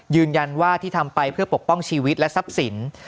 ยืนยันว่าที่ทำไปเพื่อปกป้องชีวิตและทรัพย์สิน